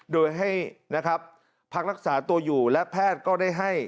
โดยให้นะครับพักรักษาตัวอยู่และแพทย์ก็ได้ให้